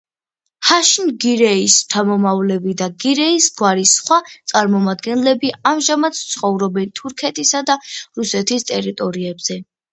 შაჰინ გირეის შთამომავლები და გირეის გვარის სხვა წარმომადგენლები ამჟამად ცხოვრობენ თურქეთისა და რუსეთის ტერიტორიებზე.